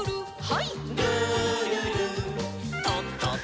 はい。